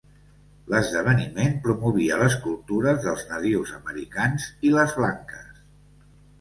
L'esdeveniment promovia les cultures dels nadius americans i les "Blanques".